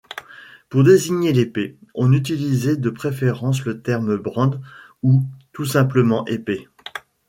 Pour désigner l'épée, on utilisait de préférence le terme brand ou, tout simplement, épée.